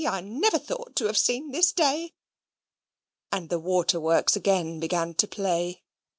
I never thought to have seen this day!" And the water works again began to play.